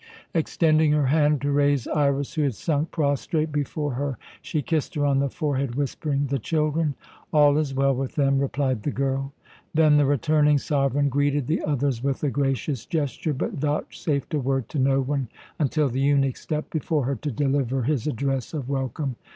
Extending her hand to raise Iras, who had sunk prostrate before her, she kissed her on the forehead, whispering, "The children?" "All is well with them," replied the girl. Then the returning sovereign greeted the others with a gracious gesture, but vouchsafed a word to no one until the eunuch stepped before her to deliver his address of welcome.